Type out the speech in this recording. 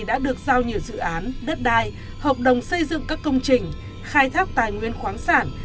đã được giao nhiều dự án đất đai hợp đồng xây dựng các công trình khai thác tài nguyên khoáng sản